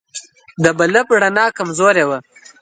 د بلب رڼا کمزورې وه.